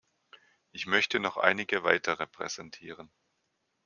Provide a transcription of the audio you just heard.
Ich möchte noch einige weitere präsentieren.